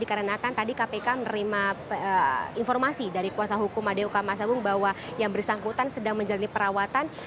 karenakan tadi kpk menerima informasi dari kuasa hukum madeo kamas agung bahwa yang bersangkutan sedang menjalani perawatan